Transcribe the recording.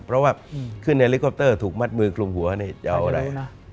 เพราะว่าขึ้นเฮลิคอปเตอร์ถูกมัดมือคลุมหัวนี่จะเอาอะไร